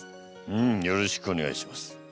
うんよろしくお願いします。